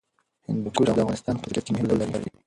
هندوکش د افغانستان په طبیعت کې مهم رول لري.